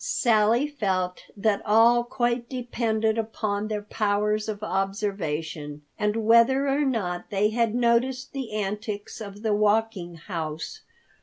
Sally felt that all quite depended upon their powers of observation, and whether or not they had noticed the antics of the Walking House.